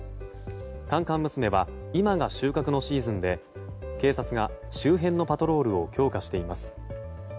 甘々娘は、今が収穫のシーズンで警察が周辺のパトロールを強化しています。